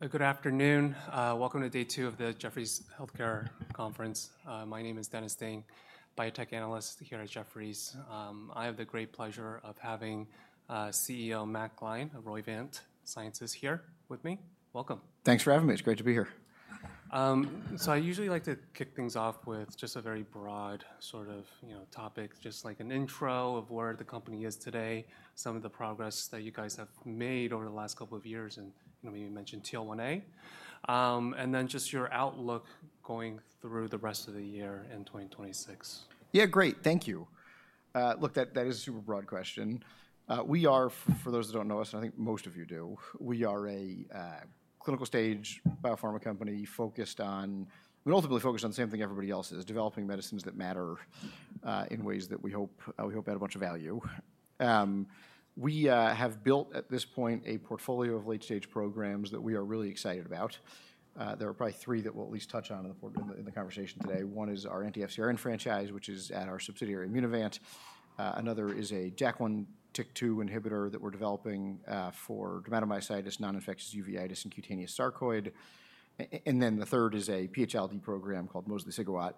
Good afternoon. Welcome to Day two of the Jefferies Healthcare Conference. My name is Dennis Ding, Biotech Analyst here at Jefferies. I have the great pleasure of having CEO Matt Gline of Roivant Sciences here with me. Welcome. Thanks for having me. It's great to be here. I usually like to kick things off with just a very broad sort of topic, just like an intro of where the company is today, some of the progress that you guys have made over the last couple of years, and maybe mention TL1A. Then just your outlook going through the rest of the year in 2026. Yeah, great. Thank you. Look, that is a super broad question. We are, for those who do not know us, and I think most of you do, we are a clinical stage biopharma company focused on, we ultimately focus on the same thing everybody else is, developing medicines that matter in ways that we hope add a bunch of value. We have built at this point a portfolio of late-stage programs that we are really excited about. There are probably three that we will at least touch on in the conversation today. One is our anti-FcRn franchise, which is at our subsidiary Immunovant. Another is a JAK1/TYK2 inhibitor that we are developing for dermatomyositis, non-infectious uveitis, and cutaneous sarcoidosis. And then the third is a PH-ILD program called mosliciguat.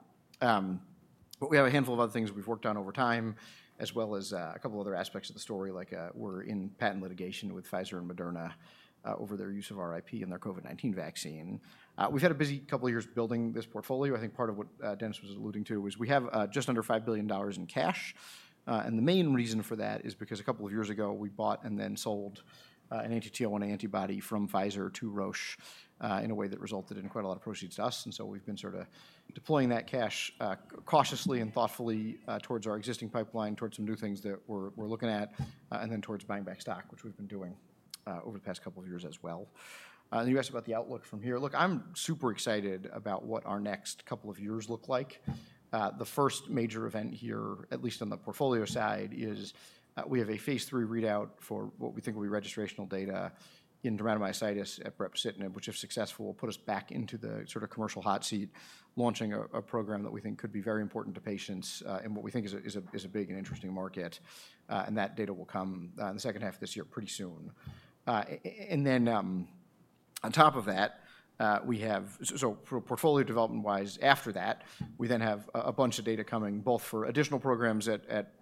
We have a handful of other things we've worked on over time, as well as a couple of other aspects of the story, like we're in patent litigation with Pfizer and Moderna over their use of IP and their COVID-19 vaccine. We've had a busy couple of years building this portfolio. I think part of what Dennis was alluding to was we have just under $5 billion in cash. The main reason for that is because a couple of years ago, we bought and then sold an anti-TL1A antibody from Pfizer to Roche in a way that resulted in quite a lot of proceeds to us. We have been sort of deploying that cash cautiously and thoughtfully towards our existing pipeline, towards some new things that we're looking at, and then towards buying back stock, which we've been doing over the past couple of years as well. You asked about the outlook from here. Look, I'm super excited about what our next couple of years look like. The first major event here, at least on the portfolio side, is we have a phase three readout for what we think will be registrational data in dermatomyositis at brepocitinib, which, if successful, will put us back into the sort of commercial hot seat, launching a program that we think could be very important to patients in what we think is a big and interesting market. That data will come in the second half of this year pretty soon. On top of that, portfolio development-wise, after that, we then have a bunch of data coming both for additional programs at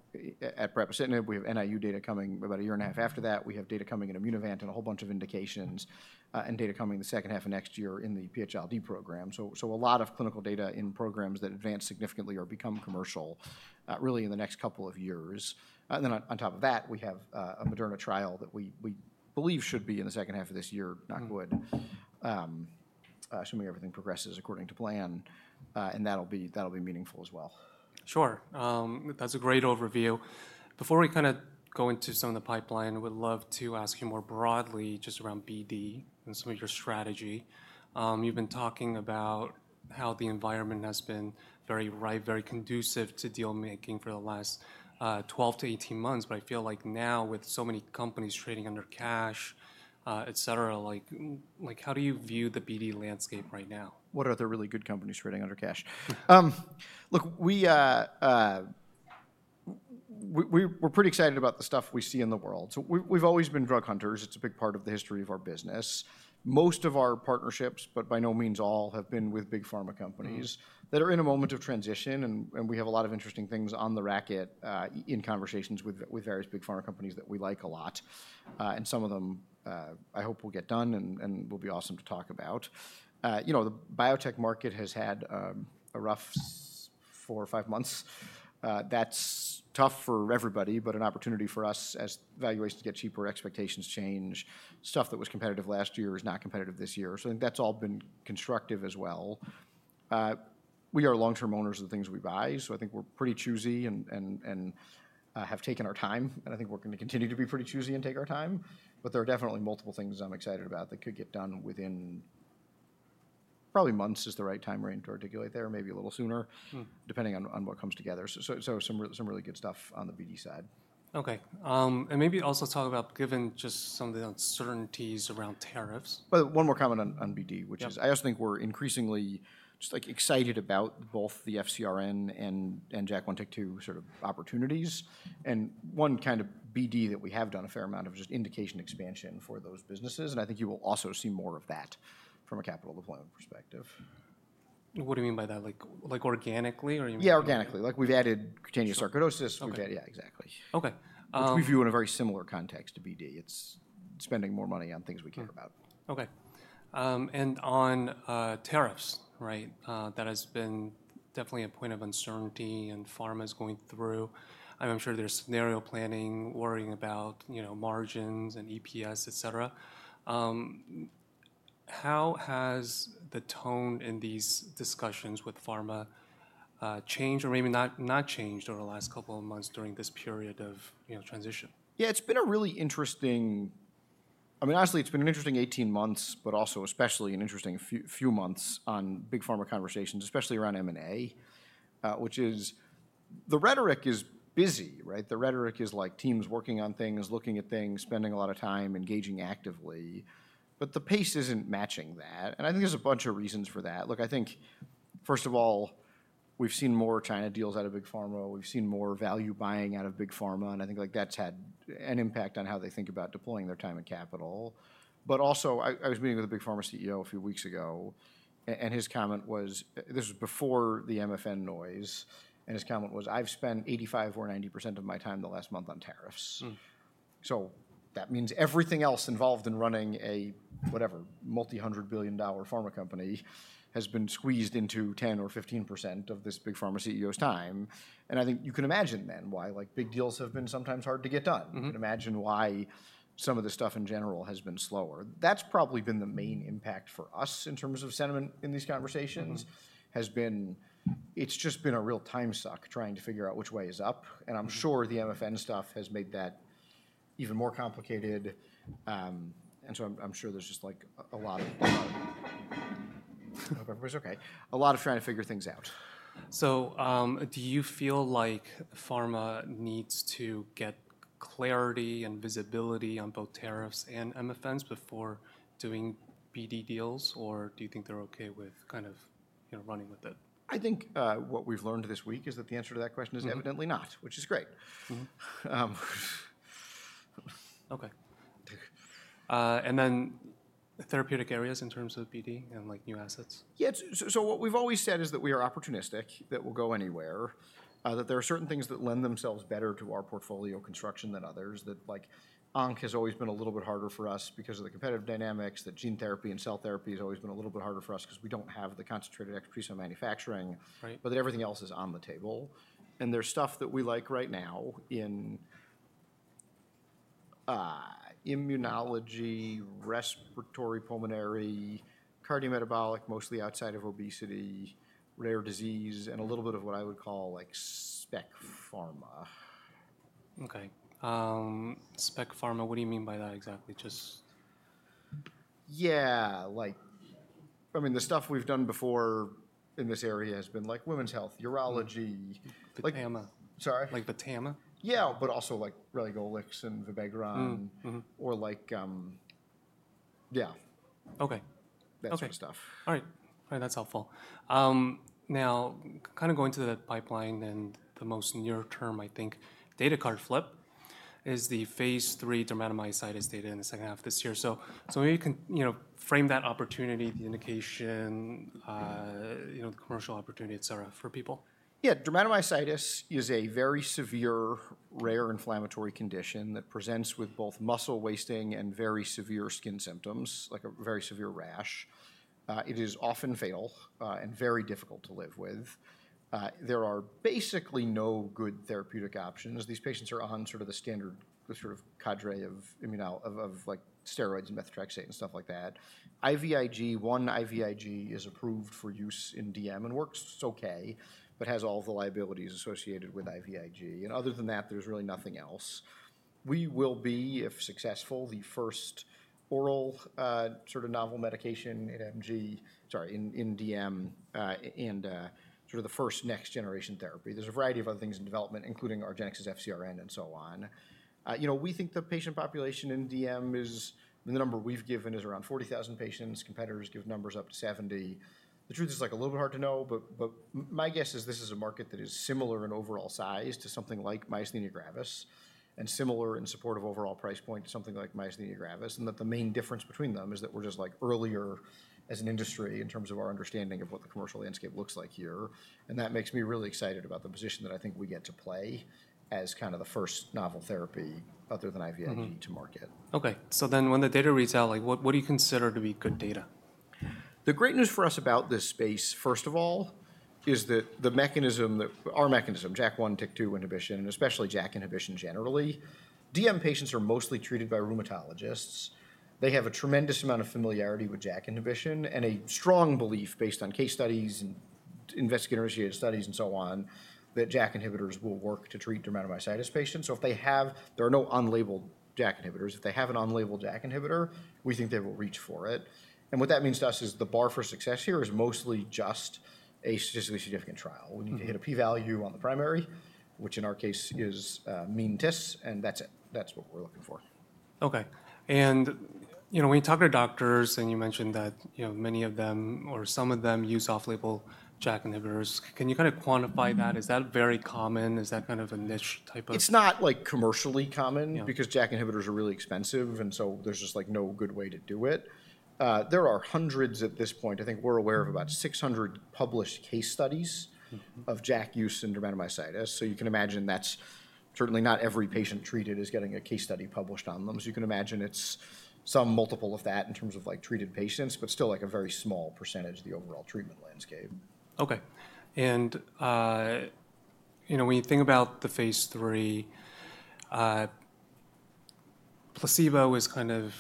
brepocitinib. We have NIU data coming about a year and a half after that. We have data coming in Immunovant and a whole bunch of indications and data coming the second half of next year in the PH-ILD program. A lot of clinical data in programs that advance significantly or become commercial really in the next couple of years. On top of that, we have a Moderna trial that we believe should be in the second half of this year, knock wood, assuming everything progresses according to plan. That will be meaningful as well. Sure. That's a great overview. Before we kind of go into some of the pipeline, we'd love to ask you more broadly just around BD and some of your strategy. You've been talking about how the environment has been very ripe, very conducive to dealmaking for the last 12 to 18 months. I feel like now with so many companies trading under cash, et cetera, how do you view the BD landscape right now? What are the really good companies trading under cash? Look, we're pretty excited about the stuff we see in the world. So we've always been drug hunters. It's a big part of the history of our business. Most of our partnerships, but by no means all, have been with big pharma companies that are in a moment of transition. And we have a lot of interesting things on the racket in conversations with various big pharma companies that we like a lot. And some of them, I hope we'll get done and will be awesome to talk about. The biotech market has had a rough four or five months. That's tough for everybody, but an opportunity for us as valuations get cheaper, expectations change. Stuff that was competitive last year is not competitive this year. So I think that's all been constructive as well. We are long-term owners of the things we buy. I think we're pretty choosy and have taken our time. I think we're going to continue to be pretty choosy and take our time. There are definitely multiple things I'm excited about that could get done within probably months is the right time frame to articulate there, maybe a little sooner, depending on what comes together. Some really good stuff on the BD side. Okay. Maybe also talk about, given just some of the uncertainties around tariffs. One more comment on BD, which is I also think we're increasingly just excited about both the FcRn and JAK1/TYK2 sort of opportunities. One kind of BD that we have done a fair amount of is just indication expansion for those businesses. I think you will also see more of that from a capital deployment perspective. What do you mean by that? Like organically or you mean? Yeah, organically. Like we've added cutaneous sarcoidosis. Yeah, exactly. Okay. Which we view in a very similar context to BD. It's spending more money on things we care about. Okay. On tariffs, right? That has been definitely a point of uncertainty and pharma is going through. I'm sure there's scenario planning, worrying about margins and EPS, et cetera. How has the tone in these discussions with pharma changed or maybe not changed over the last couple of months during this period of transition? Yeah, it's been a really interesting, I mean, honestly, it's been an interesting 18 months, but also especially an interesting few months on big pharma conversations, especially around M&A, which is the rhetoric is busy, right? The rhetoric is like teams working on things, looking at things, spending a lot of time, engaging actively. The pace isn't matching that. I think there's a bunch of reasons for that. Look, I think, first of all, we've seen more China deals out of big pharma. We've seen more value buying out of big pharma. I think that's had an impact on how they think about deploying their time and capital. Also, I was meeting with a big pharma CEO a few weeks ago. His comment was, this was before the MFN noise. His comment was, I've spent 85% or 90% of my time the last month on tariffs. That means everything else involved in running a, whatever, multi-hundred billion dollar pharma company has been squeezed into 10% or 15% of this big pharma CEO's time. I think you can imagine then why big deals have been sometimes hard to get done. You can imagine why some of the stuff in general has been slower. That's probably been the main impact for us in terms of sentiment in these conversations. It's just been a real time suck trying to figure out which way is up. I'm sure the MFN stuff has made that even more complicated. I'm sure there's just like a lot of, I hope everybody's okay, a lot of trying to figure things out. Do you feel like pharma needs to get clarity and visibility on both tariffs and MFNs before doing BD deals, or do you think they're okay with kind of running with it? I think what we've learned this week is that the answer to that question is evidently not, which is great. Okay. And then therapeutic areas in terms of BD and new assets? Yeah. What we've always said is that we are opportunistic, that we'll go anywhere, that there are certain things that lend themselves better to our portfolio construction than others, that onc has always been a little bit harder for us because of the competitive dynamics, that gene therapy and cell therapy has always been a little bit harder for us because we don't have the concentrated exosome manufacturing, but that everything else is on the table. There's stuff that we like right now in immunology, respiratory, pulmonary, cardiometabolic, mostly outside of obesity, rare disease, and a little bit of what I would call like spec pharma. Okay. Spec pharma, what do you mean by that exactly? Just. Yeah. I mean, the stuff we've done before in this area has been like women's health, urology. Like PAMA? Sorry? Like Patama? Yeah, but also like relugolix and vibegron or like, yeah. Okay. That sort of stuff. All right. All right. That's helpful. Now, kind of going to the pipeline and the most near term, I think, data card flip is the phase three dermatomyositis data in the second half of this year. Maybe you can frame that opportunity, the indication, the commercial opportunity, et cetera, for people. Yeah. Dermatomyositis is a very severe, rare inflammatory condition that presents with both muscle wasting and very severe skin symptoms, like a very severe rash. It is often fatal and very difficult to live with. There are basically no good therapeutic options. These patients are on sort of the standard sort of cadre of steroids and methotrexate and stuff like that. IVIG, one IVIG is approved for use in DM and works okay, but has all the liabilities associated with IVIG. Other than that, there's really nothing else. We will be, if successful, the first oral sort of novel medication in DM and sort of the first next generation therapy. There's a variety of other things in development, including Argenx's FcRn and so on. We think the patient population in DM is, the number we've given is around 40,000 patients. Competitors give numbers up to 70,000. The truth is like a little bit hard to know, but my guess is this is a market that is similar in overall size to something like myasthenia gravis and similar in support of overall price point to something like myasthenia gravis. The main difference between them is that we're just like earlier as an industry in terms of our understanding of what the commercial landscape looks like here. That makes me really excited about the position that I think we get to play as kind of the first novel therapy other than IVIG to market. Okay. So then when the data reads out, what do you consider to be good data? The great news for us about this space, first of all, is that the mechanism, our mechanism, JAK1/TYK2 inhibition, and especially JAK inhibition generally, DM patients are mostly treated by rheumatologists. They have a tremendous amount of familiarity with JAK inhibition and a strong belief based on case studies and investigator-initiated studies and so on that JAK inhibitors will work to treat dermatomyositis patients. If they have, there are no unlabeled JAK inhibitors. If they have an unlabeled JAK inhibitor, we think they will reach for it. What that means to us is the bar for success here is mostly just a statistically significant trial. We need to hit a P-value on the primary, which in our case is mean tests. That's it. That's what we're looking for. Okay. When you talk to doctors and you mentioned that many of them or some of them use off-label JAK inhibitors, can you kind of quantify that? Is that very common? Is that kind of a niche type of? It's not like commercially common because JAK inhibitors are really expensive. And so there's just like no good way to do it. There are hundreds at this point. I think we're aware of about 600 published case studies of JAK use in dermatomyositis. So you can imagine that's certainly not every patient treated is getting a case study published on them. You can imagine it's some multiple of that in terms of treated patients, but still like a very small percentage of the overall treatment landscape. Okay. When you think about the phase III, placebo is kind of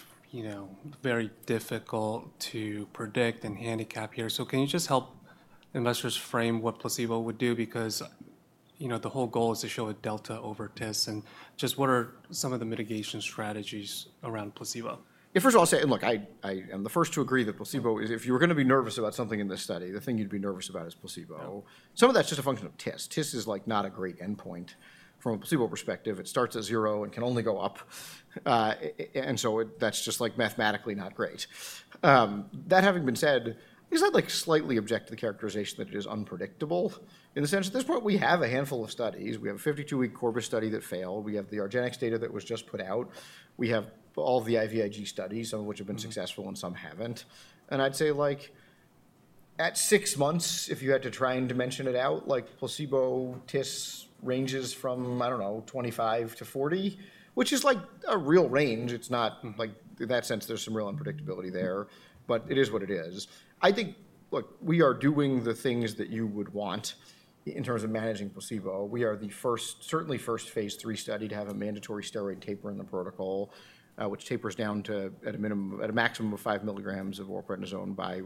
very difficult to predict and handicap here. Can you just help investors frame what placebo would do? Because the whole goal is to show a delta over test. What are some of the mitigation strategies around placebo? Yeah, first of all, I'll say, and look, I am the first to agree that placebo is, if you were going to be nervous about something in this study, the thing you'd be nervous about is placebo. Some of that's just a function of tests. Tests is like not a great endpoint. From a placebo perspective, it starts at zero and can only go up. And so that's just like mathematically not great. That having been said, I guess I'd like slightly object to the characterization that it is unpredictable in the sense that at this point we have a handful of studies. We have a 52-week corpus study that failed. We have the Argenx data that was just put out. We have all the IVIG studies, some of which have been successful and some haven't. I'd say like at six months, if you had to try and dimension it out, like placebo tests ranges from, I don't know, 25-40, which is like a real range. It's not like in that sense, there's some real unpredictability there, but it is what it is. I think, look, we are doing the things that you would want in terms of managing placebo. We are the first, certainly first phase III study to have a mandatory steroid taper in the protocol, which tapers down to at a maximum of 5 mg of oral prednisone by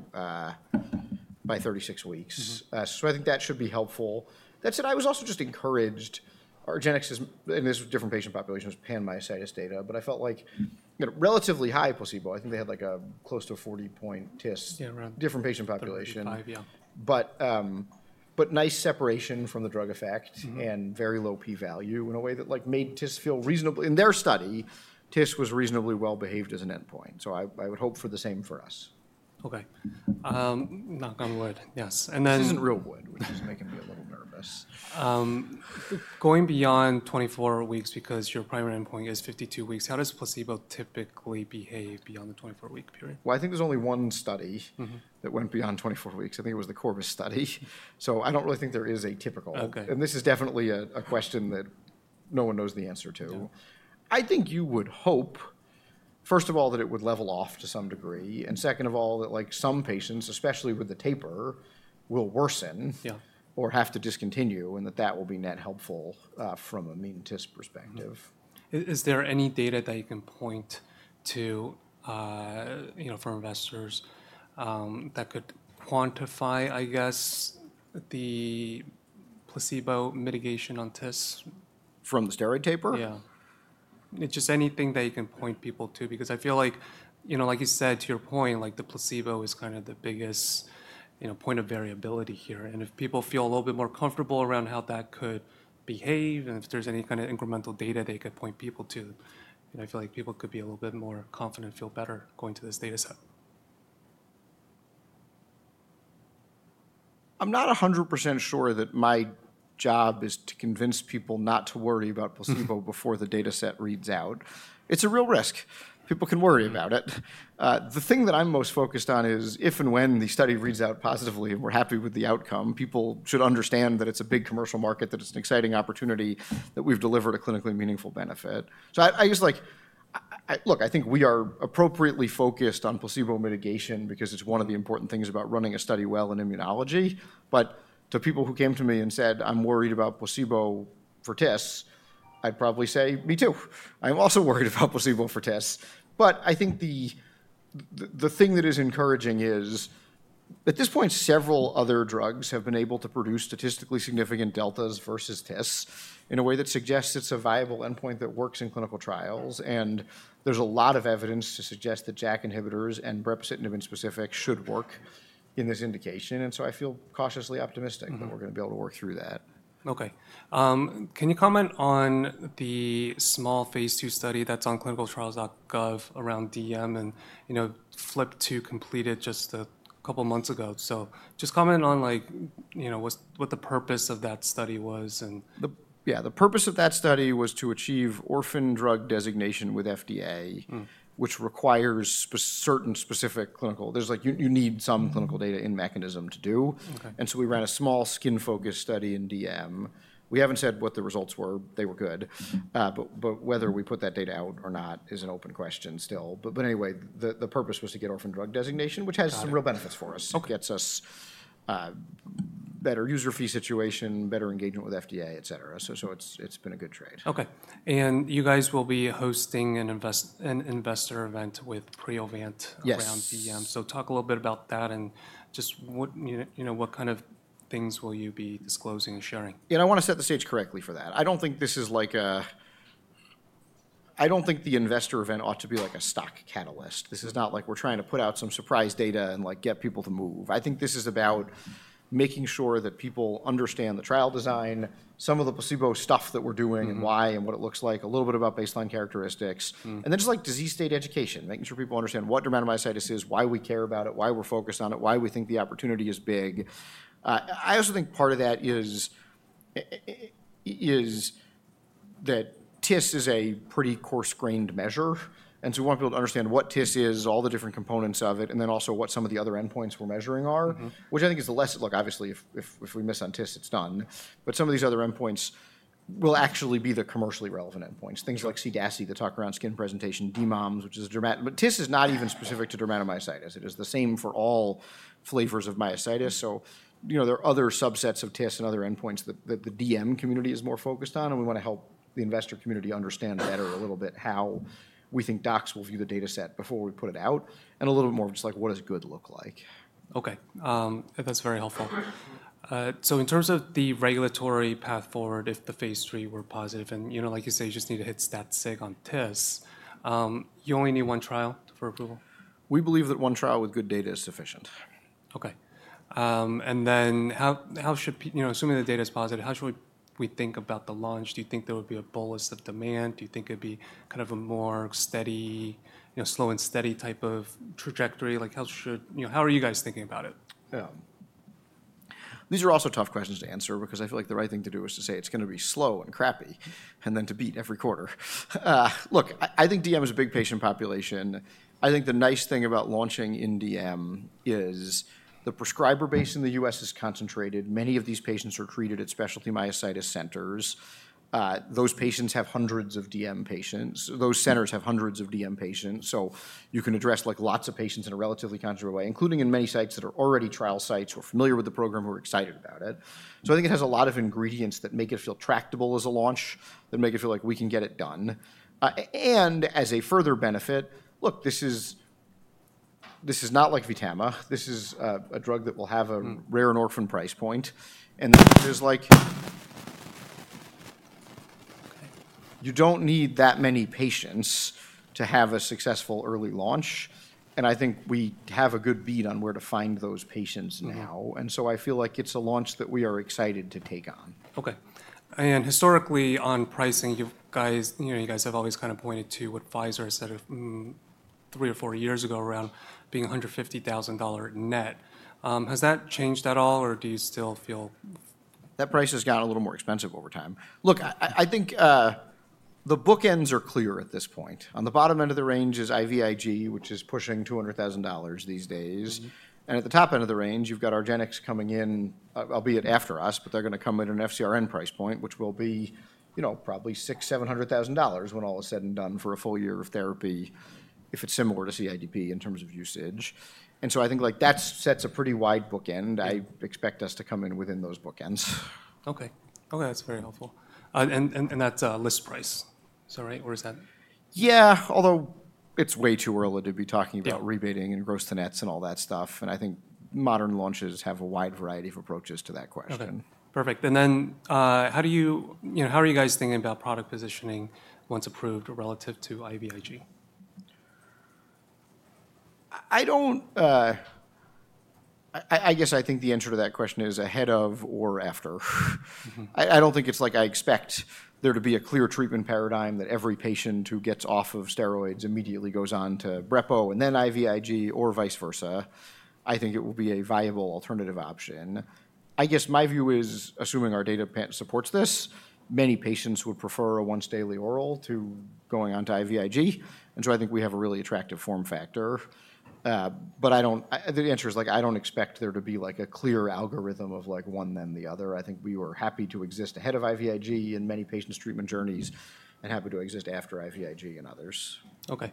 36 weeks. I think that should be helpful. That said, I was also just encouraged, Argenx is, and this is a different patient population, was pan-myositis data, but I felt like relatively high placebo. I think they had like a close to 40-point tests, different patient population. Yeah, around five, yeah. Nice separation from the drug effect and very low P-value in a way that, like, made tests feel reasonably, in their study, tests was reasonably well-behaved as an endpoint. I would hope for the same for us. Okay. Knock on wood. Yes. And then. This isn't real wood, which is making me a little nervous. Going beyond 24 weeks because your primary endpoint is 52 weeks, how does placebo typically behave beyond the 24-week period? I think there's only one study that went beyond 24 weeks. I think it was the corpus study. I don't really think there is a typical. This is definitely a question that no one knows the answer to. I think you would hope, first of all, that it would level off to some degree. Second of all, that like some patients, especially with the taper, will worsen or have to discontinue and that that will be net helpful from a mean test perspective. Is there any data that you can point to for investors that could quantify, I guess, the placebo mitigation on tests? From the steroid taper? Yeah. Just anything that you can point people to because I feel like, like you said, to your point, the placebo is kind of the biggest point of variability here. If people feel a little bit more comfortable around how that could behave and if there is any kind of incremental data they could point people to, I feel like people could be a little bit more confident and feel better going to this data set. I'm not 100% sure that my job is to convince people not to worry about placebo before the data set reads out. It's a real risk. People can worry about it. The thing that I'm most focused on is if and when the study reads out positively and we're happy with the outcome, people should understand that it's a big commercial market, that it's an exciting opportunity, that we've delivered a clinically meaningful benefit. I just, like, look, I think we are appropriately focused on placebo mitigation because it's one of the important things about running a study well in immunology. To people who came to me and said, I'm worried about placebo for tests, I'd probably say, me too. I'm also worried about placebo for tests. I think the thing that is encouraging is at this point, several other drugs have been able to produce statistically significant deltas versus tests in a way that suggests it's a viable endpoint that works in clinical trials. There's a lot of evidence to suggest that JAK inhibitors and brepocitinib specifically should work in this indication. I feel cautiously optimistic that we're going to be able to work through that. Okay. Can you comment on the small phase two study that's on clinicaltrials.gov around DM and flipped to completed just a couple of months ago? Just comment on what the purpose of that study was and. Yeah, the purpose of that study was to achieve orphan drug designation with FDA, which requires certain specific clinical, there's like you need some clinical data in mechanism to do. And so we ran a small skin-focused study in DM. We haven't said what the results were. They were good. Whether we put that data out or not is an open question still. Anyway, the purpose was to get orphan drug designation, which has some real benefits for us. Gets us better user fee situation, better engagement with FDA, et cetera. It's been a good trade. Okay. You guys will be hosting an investor event with Priovant around DM. Talk a little bit about that and just what kind of things will you be disclosing and sharing? Yeah, I want to set the stage correctly for that. I don't think this is like a, I don't think the investor event ought to be like a stock catalyst. This is not like we're trying to put out some surprise data and get people to move. I think this is about making sure that people understand the trial design, some of the placebo stuff that we're doing and why and what it looks like, a little bit about baseline characteristics. Then just like disease state education, making sure people understand what dermatomyositis is, why we care about it, why we're focused on it, why we think the opportunity is big. I also think part of that is that test is a pretty coarse-grained measure. We want people to understand what test is, all the different components of it, and then also what some of the other endpoints we're measuring are, which I think is the lesson. Look, obviously if we miss on test, it's done. Some of these other endpoints will actually be the commercially relevant endpoints, things like CDASI, the talk around skin presentation, DMOMS, which is a dermatomyositis, but test is not even specific to dermatomyositis. It is the same for all flavors of myositis. There are other subsets of test and other endpoints that the DM community is more focused on. We want to help the investor community understand better a little bit how we think docs will view the data set before we put it out and a little bit more of just like what does good look like. Okay. That's very helpful. In terms of the regulatory path forward, if the phase III were positive and like you say, you just need to hit stat six on tests, you only need one trial for approval. We believe that one trial with good data is sufficient. Okay. How should, assuming the data is positive, how should we think about the launch? Do you think there would be a bulge of demand? Do you think it'd be kind of a more steady, slow and steady type of trajectory? Like, how should, how are you guys thinking about it? These are also tough questions to answer because I feel like the right thing to do is to say it's going to be slow and crappy and then to beat every quarter. Look, I think DM is a big patient population. I think the nice thing about launching in DM is the prescriber base in the U.S. is concentrated. Many of these patients are treated at specialty myositis centers. Those centers have hundreds of DM patients. You can address like lots of patients in a relatively concentrated way, including in many sites that are already trial sites who are familiar with the program who are excited about it. I think it has a lot of ingredients that make it feel tractable as a launch that make it feel like we can get it done. As a further benefit, look, this is not like VTAMA. This is a drug that will have a rare and orphan price point. And you do not need that many patients to have a successful early launch. I think we have a good bead on where to find those patients now. I feel like it is a launch that we are excited to take on. Okay. Historically on pricing, you guys have always kind of pointed to what Pfizer said three or four years ago around being $150,000 net. Has that changed at all or do you still feel? That price has gotten a little more expensive over time. Look, I think the bookends are clear at this point. On the bottom end of the range is IVIG, which is pushing $200,000 these days. At the top end of the range, you have Argenx coming in, albeit after us, but they are going to come in at an FcRn price point, which will be probably $600,000-$700,000 when all is said and done for a full year of therapy if it is similar to CIDP in terms of usage. I think that sets a pretty wide bookend. I expect us to come in within those bookends. Okay. Okay. That's very helpful. And that's list price. Is that right? Or is that? Yeah, although it's way too early to be talking about rebating and gross tenets and all that stuff. I think modern launches have a wide variety of approaches to that question. Okay. Perfect. How are you guys thinking about product positioning once approved relative to IVIG? I guess I think the answer to that question is ahead of or after. I do not think it's like I expect there to be a clear treatment paradigm that every patient who gets off of steroids immediately goes on to brepo and then IVIG or vice versa. I think it will be a viable alternative option. I guess my view is assuming our data supports this, many patients would prefer a once-daily oral to going on to IVIG. I think we have a really attractive form factor. The answer is I do not expect there to be a clear algorithm of one then the other. I think we are happy to exist ahead of IVIG in many patients' treatment journeys and happy to exist after IVIG in others. Okay.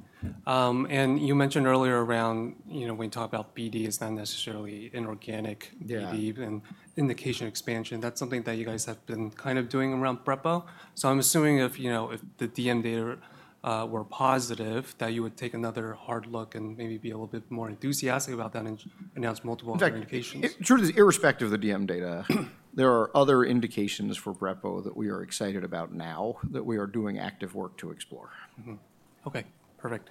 You mentioned earlier around when you talk about BD is not necessarily inorganic BD and indication expansion. That is something that you guys have been kind of doing around brepocitinib. I am assuming if the DM data were positive, that you would take another hard look and maybe be a little bit more enthusiastic about that and announce multiple indications. In truth, irrespective of the DM data, there are other indications for brepocitinib that we are excited about now that we are doing active work to explore. Okay. Perfect.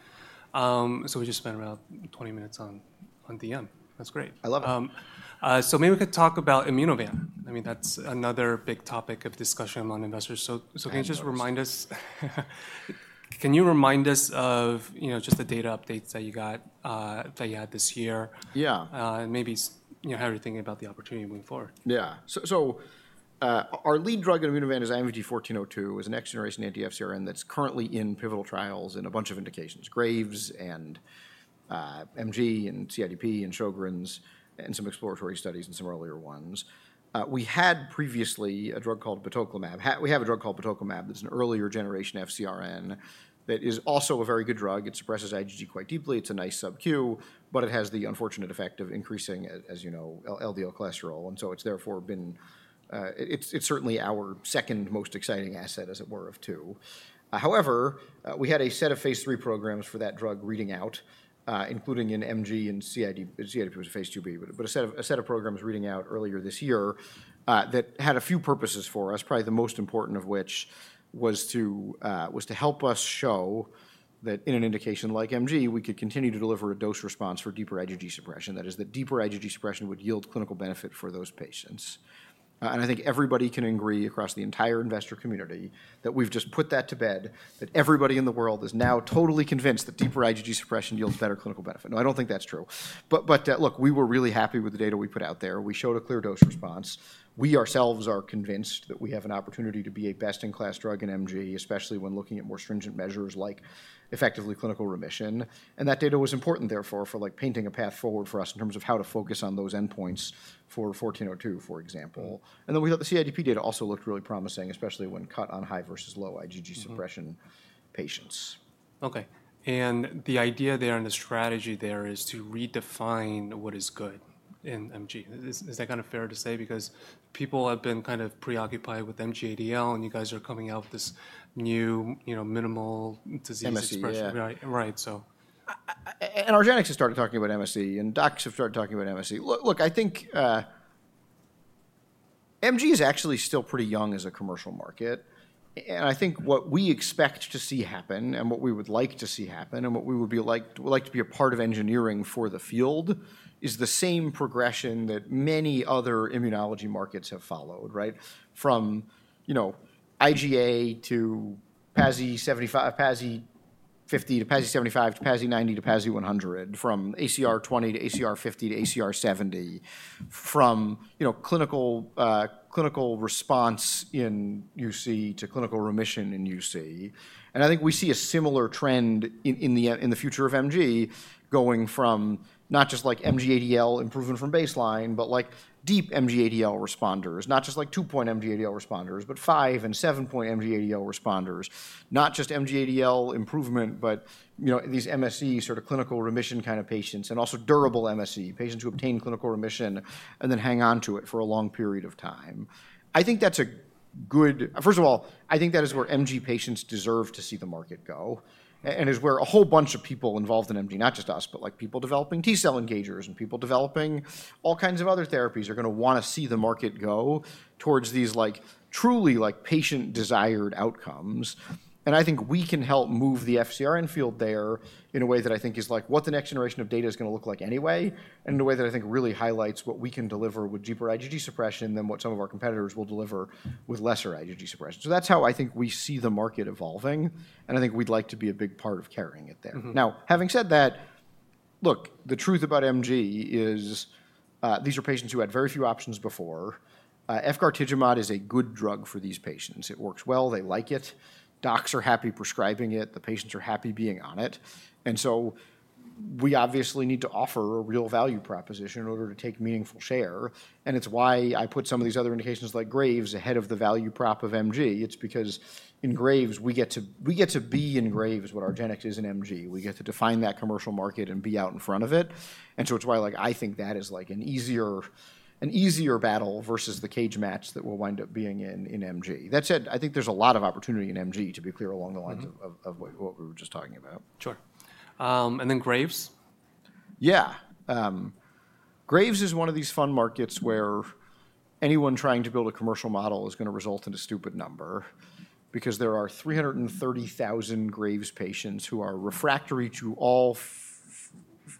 So we just spent about 20 minutes on DM. That's great. I love it. Maybe we could talk about Immunovant. I mean, that's another big topic of discussion among investors. Can you just remind us, can you remind us of just the data updates that you got that you had this year? Yeah. How are you thinking about the opportunity moving forward? Yeah. Our lead drug in Immunovant is IMVT-1402. It's a next-generation anti-FcRn that's currently in pivotal trials in a bunch of indications: Graves and MG and CIDP and Sjogren's and some exploratory studies and some earlier ones. We had previously a drug called batoclimab. We have a drug called batoclimab. It's an earlier generation FcRn that is also a very good drug. It suppresses IgG quite deeply. It's a nice sub-Q, but it has the unfortunate effect of increasing, as you know, LDL cholesterol. It's therefore been, it's certainly our second most exciting asset, as it were, of two. However, we had a set of phase three programs for that drug reading out, including in MG and CIDP, which is phase II B, but a set of programs reading out earlier this year that had a few purposes for us, probably the most important of which was to help us show that in an indication like MG, we could continue to deliver a dose response for deeper IgG suppression. That is, that deeper IgG suppression would yield clinical benefit for those patients. I think everybody can agree across the entire investor community that we've just put that to bed, that everybody in the world is now totally convinced that deeper IgG suppression yields better clinical benefit. No, I don't think that's true. Look, we were really happy with the data we put out there. We showed a clear dose response. We ourselves are convinced that we have an opportunity to be a best-in-class drug in MG, especially when looking at more stringent measures like effectively clinical remission. That data was important, therefore, for painting a path forward for us in terms of how to focus on those endpoints for 1402, for example. We thought the CIDP data also looked really promising, especially when cut on high versus low IgG suppression patients. Okay. The idea there and the strategy there is to redefine what is good in MG. Is that kind of fair to say? Because people have been kind of preoccupied with MG-ADL and you guys are coming out with this new minimal disease expression. MSE. Right. Right. So. Argenx has started talking about MSE and docs have started talking about MSE. Look, I think MG is actually still pretty young as a commercial market. I think what we expect to see happen and what we would like to see happen and what we would like to be a part of engineering for the field is the same progression that many other immunology markets have followed, right? From IgA to PASI 75, PASI 50 to PASI 75, PASI 90 to PASI 100, from ACR 20 to ACR 50 to ACR 70, from clinical response in UC to clinical remission in UC. I think we see a similar trend in the future of MG going from not just like MG-ADL improvement from baseline, but like deep MG-ADL responders, not just like two-point MG-ADL responders, but five and seven-point MG-ADL responders, not just MG-ADL improvement, but these MSE sort of clinical remission kind of patients and also durable MSE, patients who obtain clinical remission and then hang on to it for a long period of time. I think that is where MG patients deserve to see the market go and is where a whole bunch of people involved in MG, not just us, but like people developing T-cell engagers and people developing all kinds of other therapies are going to want to see the market go towards these like truly like patient-desired outcomes. I think we can help move the FcRn field there in a way that I think is like what the next generation of data is going to look like anyway, and in a way that I think really highlights what we can deliver with deeper IgG suppression than what some of our competitors will deliver with lesser IgG suppression. That is how I think we see the market evolving. I think we'd like to be a big part of carrying it there. Now, having said that, look, the truth about MG is these are patients who had very few options before. Efgartigimod is a good drug for these patients. It works well. They like it. Docs are happy prescribing it. The patients are happy being on it. We obviously need to offer a real value proposition in order to take meaningful share. It is why I put some of these other indications like Graves ahead of the value prop of MG. It is because in Graves, we get to be in Graves what Argenx is in MG. We get to define that commercial market and be out in front of it. It is why I think that is like an easier battle versus the cage match that will wind up being in MG. That said, I think there is a lot of opportunity in MG, to be clear, along the lines of what we were just talking about. Sure. And then Graves? Yeah. Graves is one of these fun markets where anyone trying to build a commercial model is going to result in a stupid number because there are 330,000 Graves patients who are refractory to all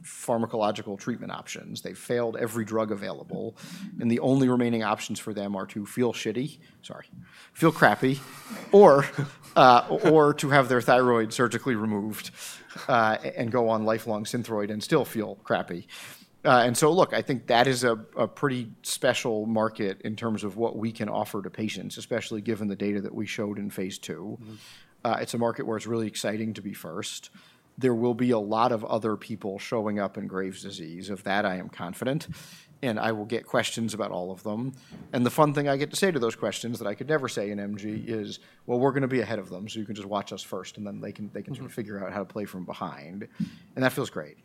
pharmacological treatment options. They've failed every drug available. The only remaining options for them are to feel shitty, sorry, feel crappy, or to have their thyroid surgically removed and go on lifelong Synthroid and still feel crappy. I think that is a pretty special market in terms of what we can offer to patients, especially given the data that we showed in phase two. It's a market where it's really exciting to be first. There will be a lot of other people showing up in Graves disease, of that I am confident. I will get questions about all of them. The fun thing I get to say to those questions that I could never say in MG is, well, we're going to be ahead of them. You can just watch us first and then they can sort of figure out how to play from behind. That feels great.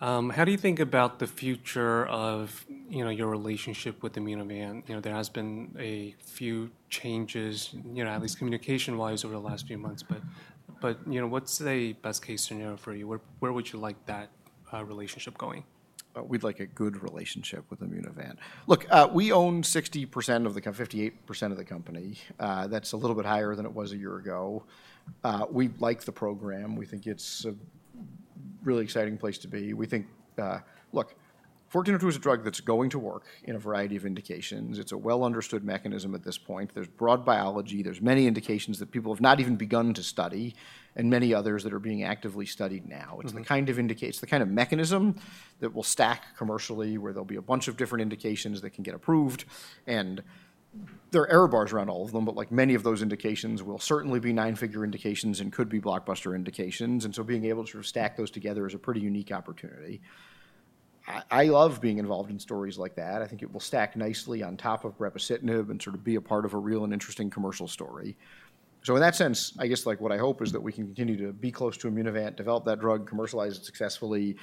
How do you think about the future of your relationship with Immunovant? There have been a few changes, at least communication-wise over the last few months. What is the best case scenario for you? Where would you like that relationship going? We'd like a good relationship with Immunovant. Look, we own 60% of the company, 58% of the company. That's a little bit higher than it was a year ago. We like the program. We think it's a really exciting place to be. We think, look, 1402 is a drug that's going to work in a variety of indications. It's a well-understood mechanism at this point. There's broad biology. There are many indications that people have not even begun to study and many others that are being actively studied now. It's the kind of mechanism that will stack commercially where there'll be a bunch of different indications that can get approved. There are error bars around all of them, but like many of those indications will certainly be nine-figure indications and could be blockbuster indications. Being able to stack those together is a pretty unique opportunity. I love being involved in stories like that. I think it will stack nicely on top of brepocitinib and sort of be a part of a real and interesting commercial story. In that sense, I guess like what I hope is that we can continue to be close to Immunovant, develop that drug, commercialize it successfully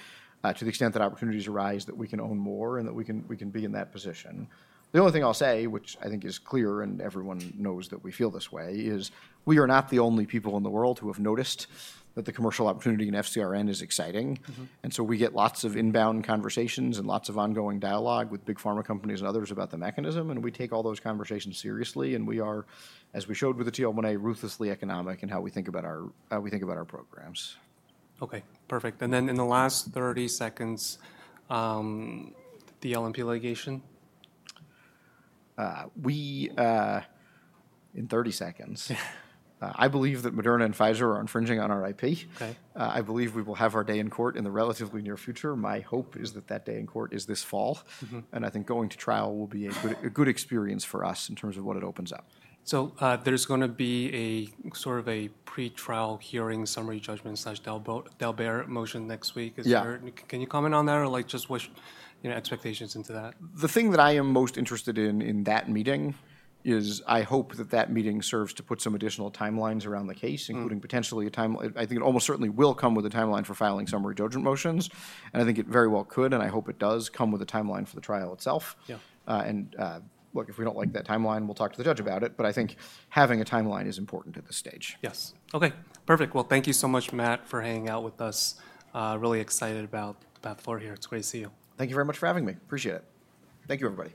to the extent that opportunities arise that we can own more and that we can be in that position. The only thing I'll say, which I think is clear and everyone knows that we feel this way, is we are not the only people in the world who have noticed that the commercial opportunity in FcRn is exciting. We get lots of inbound conversations and lots of ongoing dialogue with big pharma companies and others about the mechanism. We take all those conversations seriously. We are, as we showed with the TL1A, ruthlessly economic in how we think about our programs. Okay. Perfect. And then in the last 30 seconds, the LNP litigation? In 30 seconds. I believe that Moderna and Pfizer are infringing on our IP. I believe we will have our day in court in the relatively near future. My hope is that that day in court is this fall. I think going to trial will be a good experience for us in terms of what it opens up. There's going to be a sort of a pretrial hearing summary judgment/Delbare motion next week. Can you comment on that or just what expectations into that? The thing that I am most interested in in that meeting is I hope that that meeting serves to put some additional timelines around the case, including potentially a timeline. I think it almost certainly will come with a timeline for filing summary judgment motions. I think it very well could, and I hope it does come with a timeline for the trial itself. If we do not like that timeline, we will talk to the judge about it. I think having a timeline is important at this stage. Yes. Okay. Perfect. Thank you so much, Matt, for hanging out with us. Really excited about the floor here. It's great to see you. Thank you very much for having me. Appreciate it. Thank you, everybody.